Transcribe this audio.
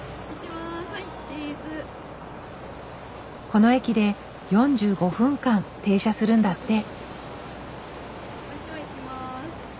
この駅で４５分間停車するんだって。